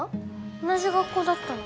同じ学校だったの？